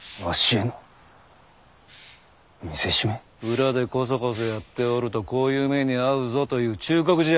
裏でこそこそやっておるとこういう目に遭うぞという忠告じゃ。